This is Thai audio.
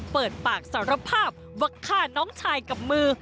เปิดปากสารภาพว่าฆ่าน้องชายกับมือ